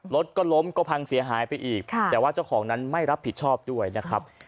รถก็ล้มก็พังเสียหายไปอีกแต่ว่าเจ้าของนั้นไม่รับผิดชอบด้วยนะครับ